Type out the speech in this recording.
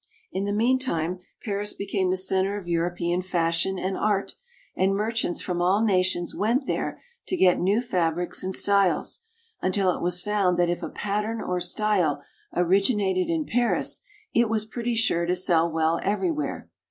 In the meantime Paris became the center of European fash ion and art, and merchants from all nations went there to get new fabrics and styles, until it was found that if a pattern or style originated in Paris it was pretty sure to sell well everywhere.